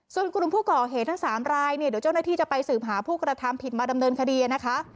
ส่วนกลุ่มผู้ก่อเหตุทั้ง๓รายเนี่ยเดี๋ยวเจ้าหน้าที่จะไปสืบหาผู้กระทำผิดมาดำเนินคดีนะคะ